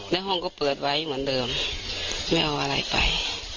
ห้องก็เปิดไว้เหมือนเดิมไม่เอาอะไรไป